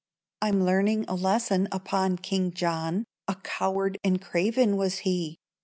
I'm learning a lesson upon King John: A coward and craven was he.